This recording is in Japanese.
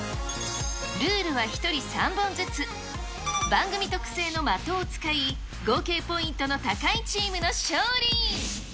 ルールは１人３本ずつ、番組特製の的を使い、合計ポイントの高いチームの勝利。